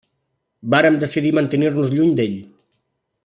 Vàrem decidir mantenir-nos lluny d'ell.